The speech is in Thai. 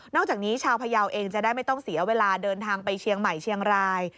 จากนี้ชาวพยาวเองจะได้ไม่ต้องเสียเวลาเดินทางไปเชียงใหม่เชียงราย